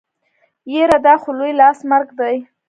يره دا خو لوی لاس مرګ دی.